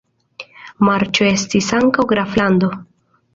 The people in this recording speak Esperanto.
Marĉo estis ankaŭ graflando.